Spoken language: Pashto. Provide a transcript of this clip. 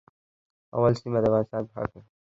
اول سیمه د افغانستان په هکله